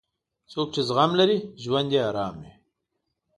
څوک چې زغم لري، ژوند یې ارام وي.